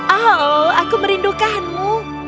oh aku merindukanmu